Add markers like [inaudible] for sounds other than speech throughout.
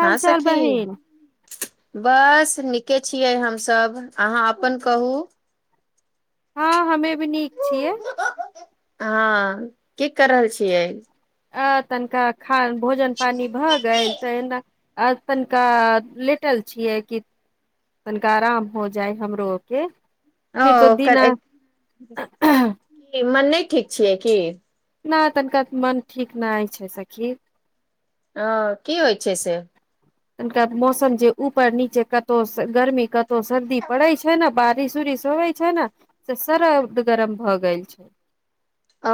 हाल हँ चाल सखी बहिन बस नीके छियै हम सभ अहाँ अपन कहू। हँ हमे भी नीक छियै। हँ कि कर रहल छियै आ तनिका खान भोजन पानि भऽ गेल तहिना। आ तन कऽ लेटल छियै कि तनिका आराम हो जाइ हमरो के फिर तो ओ दीना कि मन नहि ठीक छियै कि नहि तनिका मन ठीक नहि हाय छै सखी। ह कि होइ छै से तनिका मौसम जे ऊपर नीचे कतौ गर्मी कतौ सर्दी पड़े छै ने बारिश उरिश होय। [unintelligible] तऽ सरद गरम भऽ जाए छै ओ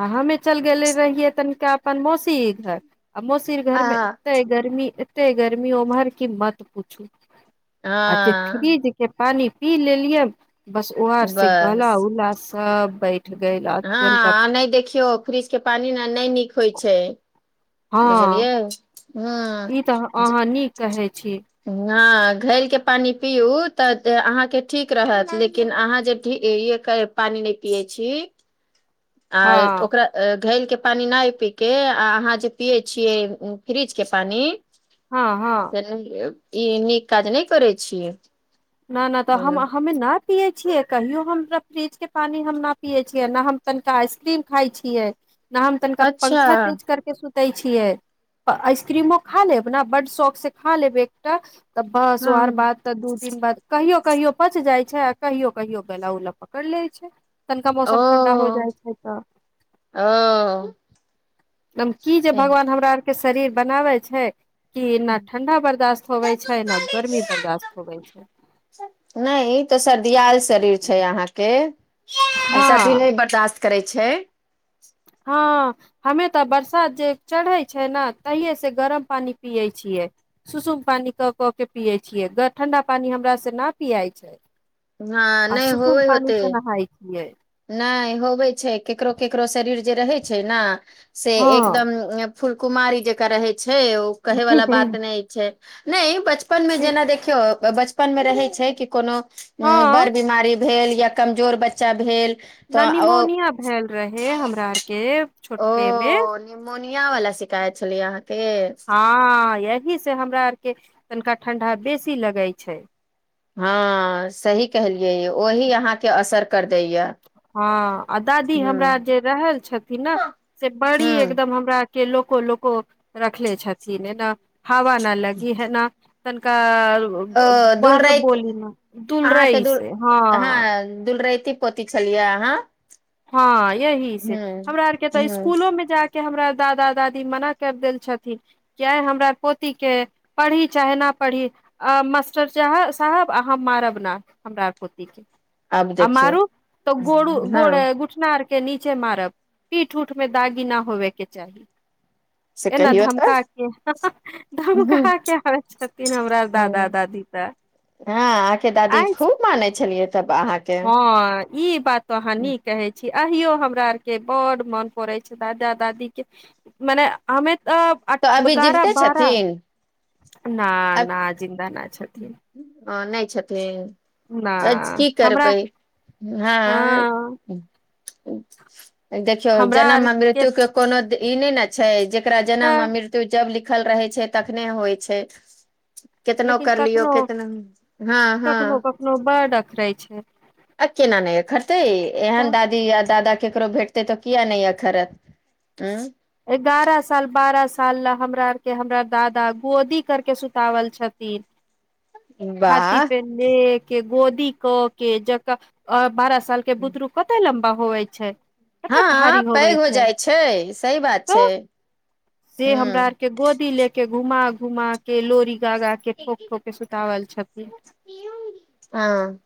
आ हमे चल गेले रहियै तनिका अपन मौसी घर आ मौसी घर आ म एते गर्मी एते गर्मी उम्हर कि मत पूछू अच्छे हँ फ्रिज के पानि पी लेलिये बस उहा से बस गला उला सभ बैठ गईल हँ नहि देखियौ। फ्रिज के पानी ने नहि नीक होइ छै बुझलियै हँ ह तऽ अहाँ नीक कहै छी नय घैल के पानि पियू तऽ अहाँकेँ ठीक रहत लेकिन अहाँ जे पानि नहि पिए छी आ हँ ओकरा घैलके पानि नहि पी के आ अहाँ जे पियै छियै फ्रिज के पानि हँ हँ ई नीक काज नहि करै छीये ना तऽ हम आहा हमे नहि पियऐ छियै कहियो हम सभ फ्रिज के पानि हम नहि पियऐ छियै नहि हम तनिका आइस क्रीम खाय छियै न हम तनिका अच्छा पंखा तेज क सुतै छियै आइसक्रीमो खा लेब ने बड़ शौख से खा लेब एकटा [unintelligible] तऽ बस आकार हँ बाद से दू तीन बेर कहियो कहियो पचि जाइत छै आ कहियो कहियो गल्ला उला पकड़ि लैय छै तनिका मौसम ठण्डा हो जाइ छै त अ ई जे भगवान हमरा आर के शरीर बनाबै छै कि ना ठंडा बर्दाश्त होवे छै न गर्मी बर्दाश्त होवे छै। नहि ई तो सर्दी आल शरीर छै अहाँकेँ आ हँ सर्दी नहि बर्दाश्त करै छै। हँ। हमे तऽ बरसात जे चढ़ै छै ने तहिये से गरम पानि पियै छियै। सुसुम पानि कऽ के पियै छियै ठण्डा पानि हमरा सँ नहि पियाइ छै। हँ आ नहि सुसुम होबे पानी होते से नहाय छियै। नहि होबै छै केकरो केकरो शरीर जे रहै छै ने से हँ एकदम फुलकुमारी जेका रहै छै ओ कहे वला बात नहि छै नय बचपन मे जेना देखियौ बचपन मे रहै छै कि कोनो हँ बर बीमारी भेल या कमजोर बच्चा भेल। ह तऽ ओ निमोनिया भेऽल रहे हमरा आरके ओ छोटके मे निमोनिया वला शिकायत छलै अहाँ हँ यही से हमरा आर के तनिका ठंडा बेसी लगै छय हँ सही कहलिय यै ओही अहाॅंके असर कर देै या हँ आ दादी हमरा जे रहल छथिन न से ह बड़ी एकदम हमरा के लोको - लोको रखले छथिन्ह ऐना हवा न लगी हेना तनिका ब ओ ब बात दुलराति बोली न तूलरै से हँ दुलरैतीन पोती छलियै आहाँ हँ यही से हमरा आर के तऽ हूँ स्कूलो में जा के हमरा दादा - दादी मना कर देल छथि जे हमरा पोती के पढ़ी चाहे न पढ़ी आ मास्टर चाहे साहब अहाॅं मारब नै हमरा पोतीके आब आ देखियौ मारु त गोरु गोरे हँ घुटना आर के नीचे मारब पीठ उठ मे दागी न होबे के चाही से एना कहियौ तऽ धमकाइ के हॅं हाॅं हूँ धमका के आबै छथिन हमरा दादा- दादी के हाॅं अहाँके दादी खूब माने छलियै तब अहाँके हँ ई बात त अहाॅं नीक कहै छी अहियो हमरा आरके बड मन पड़ै छै दादा दादीके मन्ने हम्मे तऽ अठ तऽ अभी एगारह जीविते बारह छथिन ना ना जिन्दा न छथिन हॅं नै छथिन ना एछ की हमरा करबै हाय हँ देखियौ हमरा जनम आर आ मृत्यु के कोनो द ई नय न छै जेकरा जनम आ तऽ मृत्यु जब लिखल रहै छै तखने होइ छै केतनो लेकिन कर लियौ कखनो केतनो हँ हँ कखनो कखनो [unintelligible] छै आ केना नय एखरतै तऽ एहन दादी या दादा केकरो भेट तै त किया नय अखरत एगारह साल बारह साल ल हमरा आर के हमरा दादा गोदी करके सुतावल छथि छाती वाह पे लेके गोदी कऽ के जकऽ अ बारा बारह साल के बुतरू कतेय लम्बा होवै छै कते हाॅं भारी पैघ होवे होय छै जाइ छै सही बात छै तऽ से हमरा हूं आर के गोदी ले के घूमा - घुमा के लोड़ी गा - गा के ठोक - ठोक के सुतावल छथिन आं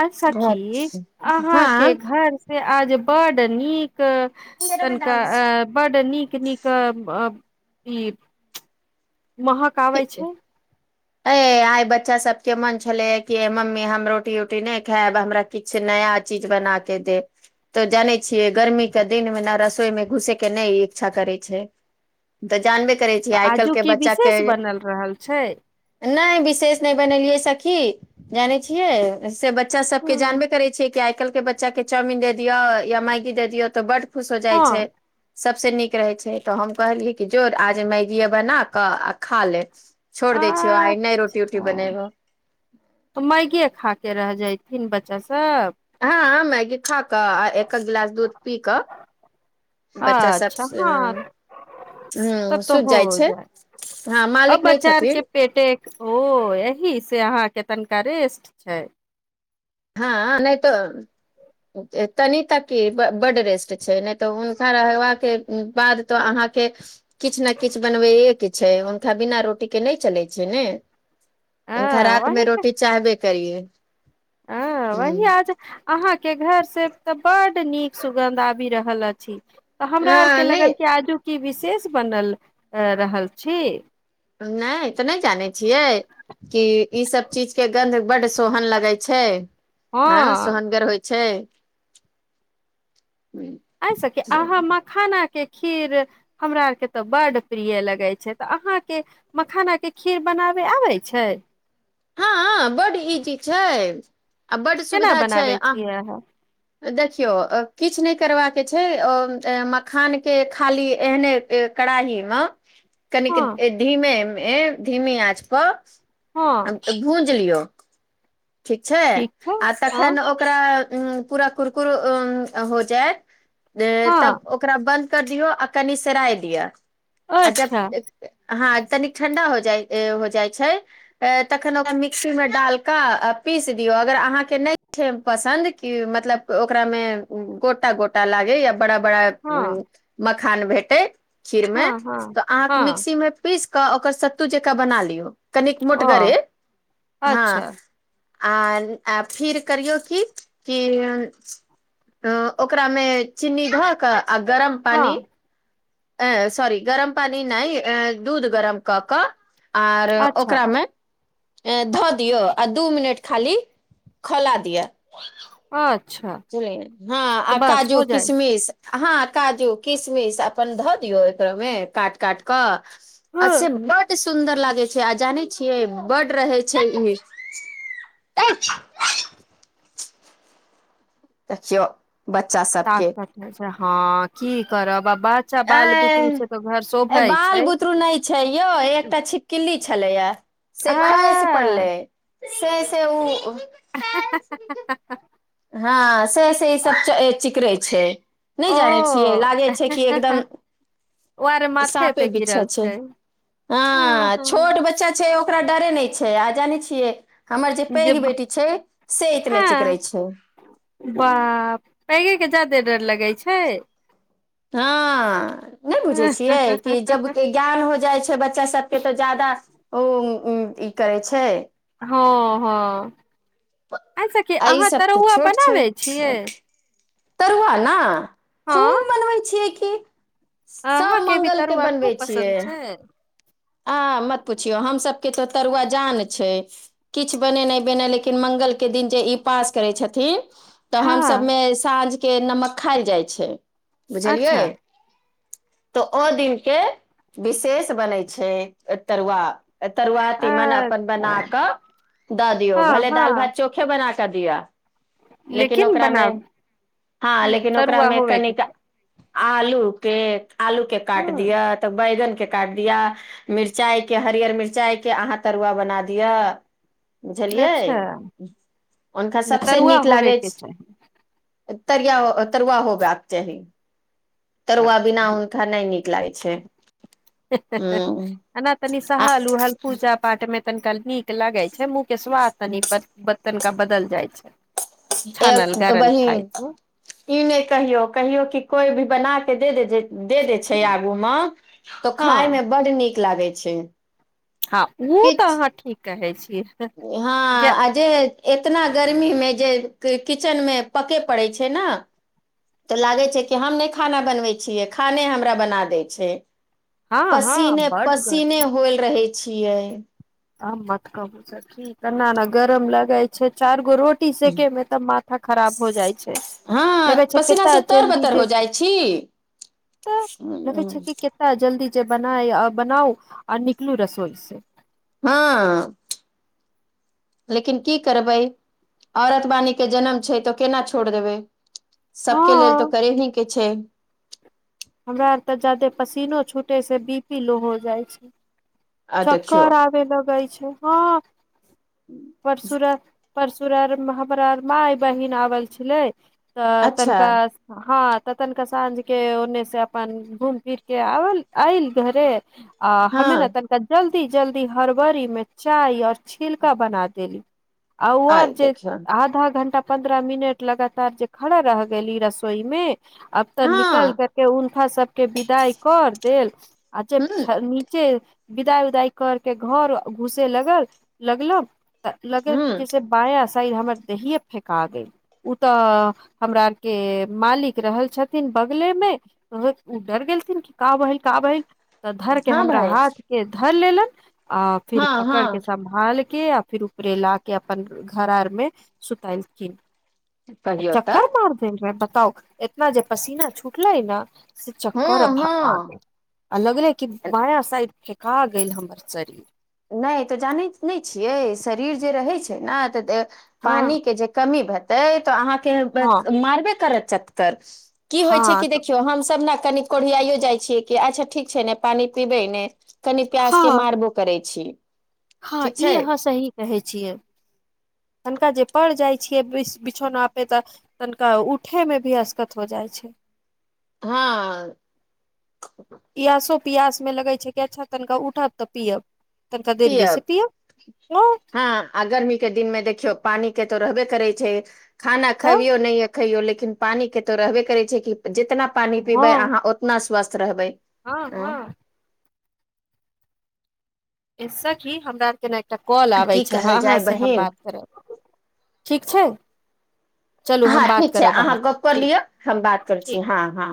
आ सखी अहाँके हँ घर से आज बड नीक तनिका आ बड्ड नीक - नीक आ अ [unintelligible] महक आबय छै आय बच्चा सबके मन छल्ले अय की आय मम्मी हम रोटी उटी नै खायब हमरा किछ नया चीज बना के देब तऽ जानै छियै गर्मी के दिन मे न रसोई मे घुसेके नै इच्छा करै छै तऽ जानबे करै छियै आइ काइल्ह के बच्चा के ल छै नैह बिशेष ने बनेलियै सखी जानै छियै सेब बच्चा सभके हूँ जानबे करै छियै कि आइ काइल्हके बच्चाके चाउमिन देऽ दिअ या मैगी दऽ दियौ तऽ बड़ खुव हो जाइ छै। हँ सभसे नीक रहै छै तऽ हम कहलियै कि जो आज मैगीये बना कऽ आ खा ले छोड़ दऽ छिय आ नहि रोटी उोटी बनेबो मैगिये खाके रह जयथिन बच्चा सभ हँ मैगी खा कऽ आ एखक गिलास दूध पीकऽ बच्चा सभ अच्छा ह हँ तब हा तऽ सुज हो जाइ छै जाय हँ अब मालिक नहि बच्चा आर छथि के पेटे ओ यह से अहाँकेँ तनिका रेस्ट छै हँ नहि तऽ। तनी तक कि बड़ रेस्ट छै नहि तऽ हुनका रहबाक के बाद तो अहाँकेँ किछु ने किछु बनबैए के छै हुनका बिना रोटी के नहि चलै छै ने। ह हनका रात मे वही रोटी चाहबे करियै वही आज अहाँकेँ घर से तऽ बड नीक सुगन्ध आबि रहल अछि तऽ हमरा आर के हँ लगल नहि क आजू कि विशेष बनल रहल छी नहि तऽ नहि जानै छियै। कि इ सभ चीज के गन्ध बड्ड सोहन लगे छै ह हँ सोहनगर होइ छै एहिसँ कि अहाँ मखानाके खीर हमरा आरके तऽ बड प्रिय लगै छै तऽ अहाँकेँ मखाना के खीर बनाबे आबै छै। हँ बड़ इजी छै आ बड़ केना सुविधा छै बनाबै आ छियै अहाँ देखियौ किछु नहि करबाक छै मखानके खाली एहने। कड़ाही मे कनिक हँ धीमे मे धीमे आँच पर हँ भूज लियौ ठीक छै छै आ हँ तखन ओकरा पूरा कुरकुर हो जायत हँ तब ओकरा बन्द कर दियो आ कनि सराय दिआ जब अच्छा ह तनिक ठण्डा हो जाइ हो जाइ छै तखन ओकरा मिक्सीमे डाल कऽ आ पीस दियौ अगर अहाँकेँ नहि छै पसन्द कि मतलब ओकरा मे गोटा गोटा लागे या बड़ा बड़ा। हँ माखान भेटे खिर मे हँ हँ अहाँ हँ मिक्सी मे पीस कऽ ओकर सत्तू जक बना लियौ कन ओ मोटगरे ह अच्छा आ फिर करियौ कि ओकरा मे चीनी धऽ कऽ आ गरम हँ। सारी गरम पानी नहि दूध गरम कऽ कऽ आर अच्छा ओकरा मे धऽ दियौ आ दू मिनट खाली खोला दिआ अ सुलिय ह आ काजू जाइ किसमिश ह काजू किशमिश अपन धऽ दियौ एकरोमे काट काटि कऽ हँ आ बड़ सुं सुन्दर लागे छै आ जाने छियै बड़ रहे छै ई [unintelligible] छिय बच्चा ताकत छै हँ कि करब बाबा अच्छा बाल बुतरु ए से तऽ घर ए शोभैत बाल छै। बुतरू नहि छै यौ एकटा छिकक्ली छलै या से खाएस आ पड़ले से सँ ओ [unintelligible] हँ से से ई सभ चिकरे छै नहि ओ जानै छियै लागै छै कि एकदम। ओ आर माथे सापे पे पीछा गिरल छै ह हँ हँ छोट बच्चा छै ओकरा डरे नहि छै आ जानै छिये हमर जे पैघ बेटी छै से इतने चिकरे हँ छै। बाप पैघेके जायदे डर लगैत छै ह नहि बुझै हँ छियै कि जब। के ज्ञान हो जाइ छै बच्चा सभके तऽ जादा उ ई करे छै हँ हँ अच्छा कि आ ई अहाँ सब तऽ तरौआ छोट छै बनाबै छियै तरुआ न खूब हँ मनबै छियै कि सभ अहाँके भी मंगल के तरुआ बनबै खूब छियै पसन्द छै आ मत पुछियौ हमसभके तो तरुआ जान छै किछु बने नहि बने लेकिन मंगल। के दिन जे ई पास करै छथिन तऽ हम हँ सझमे साँझ के नमक खायल जाइ छै बुझलियै। अच्छा तऽ ओ दिनक के विशेष बनै छै तरुआ। तरुआ तीमन अपन बना अच्छा कऽ दऽ दियौ हँ भले दाल हँ भात चोख। बना कऽ दिया लेकिन ओकरा मे हँ ह लेकिन तरुआ ओकरामे होबे के कनिका चाही आलू के आलू के काट दिया ह तऽ बैगन के काट दिआ मिरचाइके हरियर मिरचाइके अहाँ तरुआ बना दिआ बुझलियै अच्छा हुनका सभसँ तरुआ नीक होबे लागै के छै। तरिया तरुआ होब चाही। तरुआ बिना चाही हुनका नहि नीक लागै छै एना तनि आ सहल उहल पूजा पाठ मे तनिका नीक लगै छै मुँह के स्वाद तनि बतनि का बदल जाइ छै छानल एह गड़ल बहिन खाय छै ई नहि कहियो कहियो कि कोइ भी बना के दे जे दे देय छै आगू मे तऽ हँ खाय मे बड़ नीक लागै छै हँ ओ तऽ किछ अहाँ ठीक कहै छियै हँ आ जे। एतना गर्मीमे जे किचेनमे पकेय पड़ैत छै न तऽ लागै छै कि हम नहि खाना बनबै छियै, खाने हमरा बना दै छै हँ हँ पसीने बड गर्मी पसीने होएल रहे छियै आ मत कहबू ठना ने गरम लगाय छै चार गो रोटी। [unintelligible] सके में तब माथा खराब हो जाइ छै हँ लगे छै पसीना केता से तर जल्दी बतर हो जे जाइ छी [unintelligible] तऽ लगे छै कि केता जल्दी जे बनाए अ बनाउ आ निकलू रसोई से हँ लेकिन की करबै [inaudible] औरत वाणी केँ जनम छै तऽ केना छोड़ देबै हँ सब केँ लेल तऽ करेही केँ छै हमरा आर तऽ जायदे पसीनो छूटै छै बी पी लो हो जाइ छै आ देखियौ चक्कर आबै लगए छै हँ परसुरा परसुरार हमरा माय बहिन आबल छलै तऽ अच्छा तनिका हँ तऽ तनिका साँझ केँ ओने से अपन घूम फिर केँ आबल आयल घरे आ हँ हमे ने तनि तऽ जल्दी जल्दी हरबरी में चाय और छिलका बना देली आ उहेब आइ जे देखियौ आधा घण्टा पंन्द्रह मिनट लगातार जे खड़ा रह गेली रसोई में आब तऽ हँ निकल केँ के हुनका सबके विदाई कर देल आ जब ह छ जे नीचे बिदाइ उदाई करके घर घुसे लगल लगलों तऽ ह लगेत जे से बायाँ साइल हमर देहिए फेका गेल उ तऽ हमरा आर केँ मालिक रहल छथिन बगले मे। बहुत डर गेलथिन कि काभइल काभइल तऽ धर केँ हँ हमरा भाय हाथ केँ धर लेलन आ फिर हँ पकड़ केँ हँ सब मलिक आ फिर ऊपरे ला के अपन घर आर मे सुतेलखिन। कहियौ चक्कर तऽ मार दे रह बताउ एतना जे पसीना छुटलेै न से चक्कर हँ भा हँ आगेल। आ लगले कि बाया साइड फेका गेल हमर शरीर। नहि तऽ जानैत नहि छियै शरीर जे रहै छैय न तऽ हँ पानी केँ जे कमी भैतै तऽ हँ अहाँकेँ मारबे करत चत्कर की होइ छैय हँ कि तऽ देखियौ हमसभ न कनि कोढ़ियाइयो जाइ छियै कि अच्छ ठीक छैय ने पानी पीबै नइ। कनि प्यास केँ हँ मारबो करै अछि। हँ ई अहाँ सही कहै छियै। तनिका जे पड़ जाइ छियै विष बिछौना पे तऽ तनिका उठे मे भी असकत हो जाइ छैय। हँ [inaudible] पियासो पियास मे लगै छैय कि अच्छ तनिका उठब तब पियअब। तनिका देरीय से पियब। [unintelligible] हँ आ गर्मी के दिन में देखियो पानी के तो रहबे करे छैय खाना तऽ खेबियो नहि य खैयौ लेकिन पानी केँ तऽ रहबे करै छैय कि जितना पानी पीबै हँ अहाँ उतना स्वस्थ रहबै। हँ अं, हँ सखी हमरा आर के ने एकटा कॉल आबै की छैय ह कहल अहाँ जाय से हम बहिन बात करब। ठीक छैय [inaudible] चलू हम हँ बात ठीक छै करब अहाँ अहाँसँ गप कऽ ठीक लिअ हम बात करै [inaudible] छी ठीक। हँ हँ